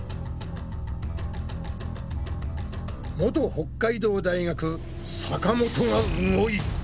元北海道大学坂本が動いた。